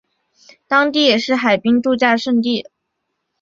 当地也是海滨度假胜地。